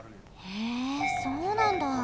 へえそうなんだ。